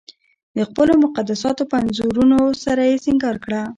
د خپلو مقدساتو په انځورونو سره یې سنګار کړه.